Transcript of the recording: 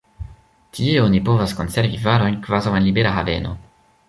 Tie oni povas konservi varojn kvazaŭ en libera haveno.